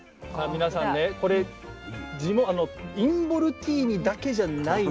皆さんねこれインボルティーニだけじゃないんですよね。